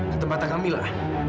ke tempat kamila